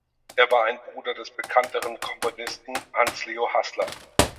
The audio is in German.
Er war ein Bruder des bekannteren Komponisten Hans Leo Haßler.